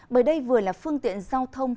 bởi đây vừa là phương tiện giao thông